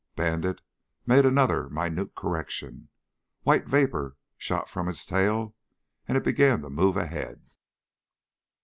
Bandit made another minute correction. White vapor shot from its tail and it began to move ahead.